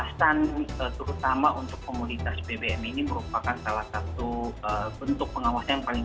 iya sekira memang harus diakui pengawasan terutama untuk komunitas bbm ini merupakan salah satu tools yang harus diberikan untuk pemilai keuntungan kesehatan